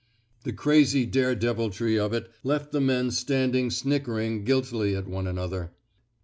The crazy daredeviltry of it left the men standing snickering guiltily at one another.